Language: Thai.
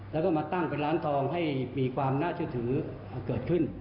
แล้วก็มาตั้งเป็นร้านทองให้มีความน่าเชื่อถือเกิดขึ้น